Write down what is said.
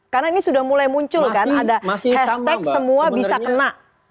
karena ini sudah mulai muncul kan ada hashtag semua bisa kena